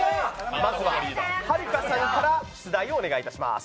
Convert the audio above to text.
はるかさんから出題をお願いいたします。